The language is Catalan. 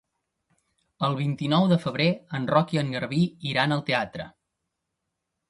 El vint-i-nou de febrer en Roc i en Garbí iran al teatre.